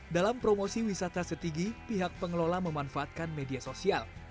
dalam promosi wisata setigi pihak pengelola memanfaatkan media sosial